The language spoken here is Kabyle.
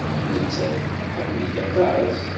Nettat tḥemmel-ik aṭas.